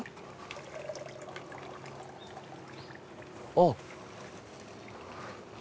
あっ。